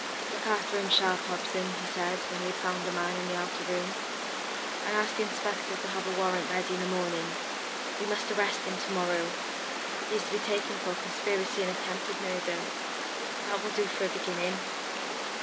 "Look after him sharp, Hobson," he said, when he had found the man in the outer room. "And ask the inspector to have a warrant ready in the morning. We must arrest him to morrow. He is to be taken for conspiracy and attempted murder. That will do for a beginning."